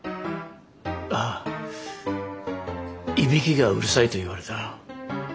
あいびきがうるさいと言われた。